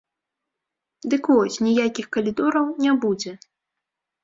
Дык вось, ніякіх калідораў не будзе.